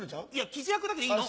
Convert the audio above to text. キジ役だけでいいの！